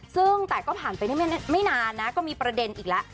ซึ่งแต่ก็ผ่านไปได้ไม่นานนะก็มีประเด็นอีกแล้ว